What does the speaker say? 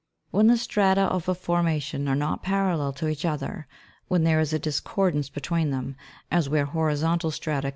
When the strata of a forma tion are not parallel to each other, when there is a discordance between them, as where horizontal strata come in contact with 13.